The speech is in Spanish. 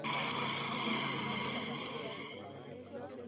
La torre al interior se estructuró en tres pisos separados por suelo de madera.